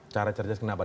cara cerdas kenapa